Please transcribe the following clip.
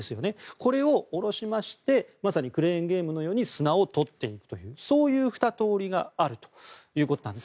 これを下ろしましてまさにクレーンゲームのように砂を取っていくというそういう２通りがあるということです。